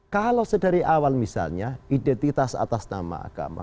kalau sedari awal misalnya identitas atas nama agama